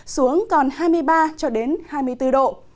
xuống còn hai mươi ba cho đến hai mươi bốn độ